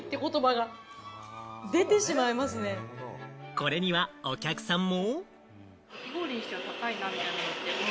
これにはお客さんも。